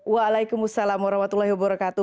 waalaikumsalam warahmatullahi wabarakatuh